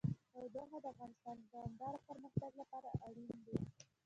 تودوخه د افغانستان د دوامداره پرمختګ لپاره اړین دي.